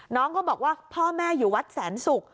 น้องก็บอกว่าพ่อแม่อยู่วัดแสนศุกร์